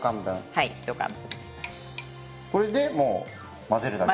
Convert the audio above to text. これでもう混ぜるだけ？